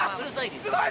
俺すごい。